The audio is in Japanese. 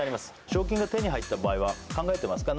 賞金が手に入った場合は考えてますか？